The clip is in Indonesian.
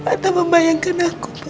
atau membayangkan aku pak